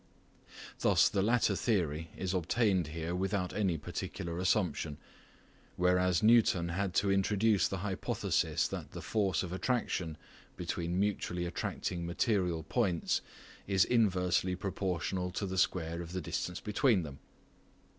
Thus the latter theory is obtained here without any particular assumption, whereas Newton had to introduce the hypothesis that the force of attraction between mutually attracting material points is inversely proportional to the square of the distance between them.